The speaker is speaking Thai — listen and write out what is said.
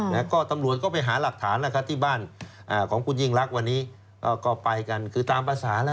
แล้วก็ตำรวจก็ไปหาหลักฐานแล้วครับที่บ้านอ่าของคุณยิ่งรักวันนี้ก็ไปกันคือตามภาษาแล้ว